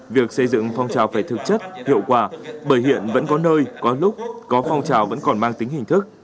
việc xây dựng phong trào phải thực chất hiệu quả bởi hiện vẫn có nơi có lúc có phong trào vẫn còn mang tính hình thức